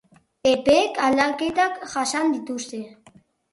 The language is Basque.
Epeek aldaketak jasan dituzte.